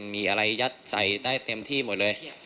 มีอะไรยัดใส่ได้เต็มที่หมดเลย